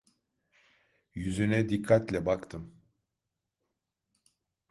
Yüzüne dikkatle baktım…